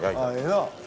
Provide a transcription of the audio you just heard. ええな。